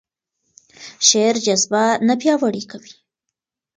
شعر جذبه نه پیاوړې کوي.